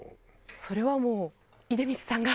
それはもう出光さんが。